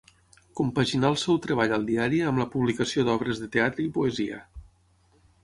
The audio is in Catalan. Compaginà el seu treball al diari amb la publicació d'obres de teatre i poesia.